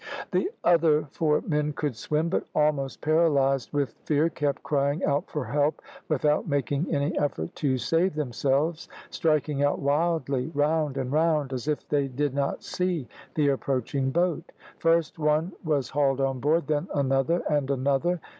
The other four men could swim, but almost paralysed with fear kept crying out for help, without making any effort to save themselves, striking out wildly, round and round, as if they did not see the approaching boat. First one was hauled on board, then another and another.